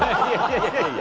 いやいや。